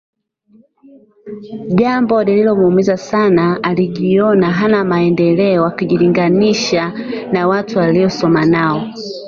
jambo lililomuumiza sana alijiona hana maendeleo akijilinganisha na watu aliosoma nao